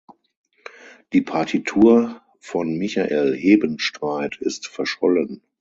Die Partitur von Michael Hebenstreit ist verschollen.